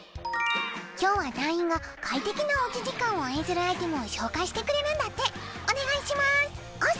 今日は団員が快適なおうち時間を応援するアイテムを紹介してくれるんだってお願いしますおす！